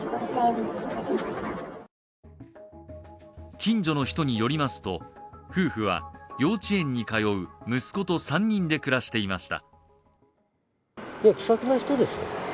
近所の人によりますと、夫婦は幼稚園に通う息子と３人で暮らしていました。